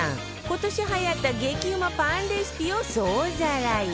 今年はやった激うまパンレシピを総ざらい